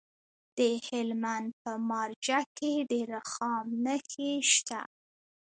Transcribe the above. د هلمند په مارجه کې د رخام نښې شته.